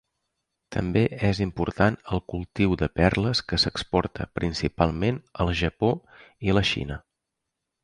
També és important el cultiu de perles que s'exporta principalment al Japó i la Xina.